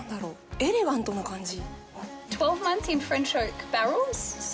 エレガントな感じ。